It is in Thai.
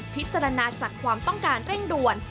พิจารณาจากความต้องการเร่งด่วน